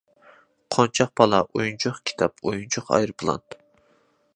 قونچاق بالا، ئويۇنچۇق پىكاپ، ئويۇنچۇق ئايروپىلان.